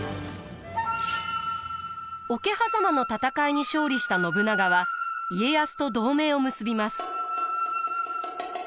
桶狭間の戦いに勝利した信長は家康と同盟を結びます。